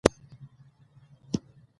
ټاس د بازۍ په پیل کښي کیږي.